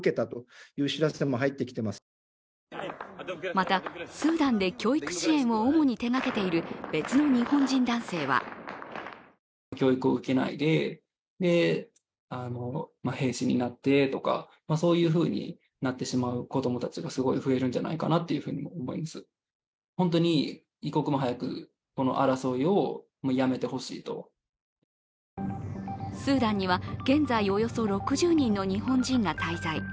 また、スーダンで教育支援を主に手がけている別の日本人男性はスーダンには、現在およそ６０人の日本人が滞在。